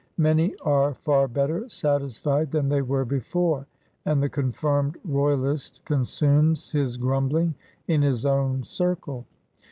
Many are far better satisfied than they were before; and the confirmed royalist consumes his grumbling in his own circle.